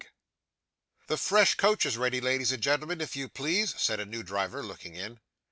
'The fresh coach is ready, ladies and gentlemen, if you please,' said a new driver, looking in.